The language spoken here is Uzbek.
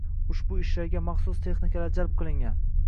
Ushbu ishlarga maxsus texnikalar jalb qilingan